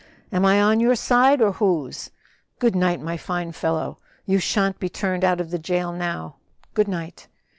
Am I on your side or whose?" "Good night, my fine fellow; you shan't be turned out of the jail now. Good night."